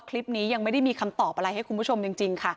คลิปนี้ยังไม่ได้มีคำตอบอะไรให้คุณผู้ชมจริงค่ะ